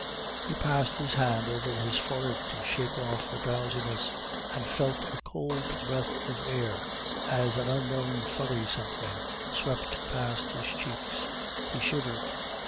He passed his hand over his forehead to shake off the drowsiness, and felt a cold breath of air as an unknown furry something swept past his cheeks. He shivered.